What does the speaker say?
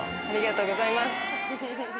ありがとうございます。